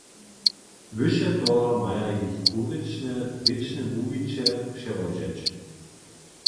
Wyše toho maja jich dwurěčne rěčne wuwiće přewodźeć.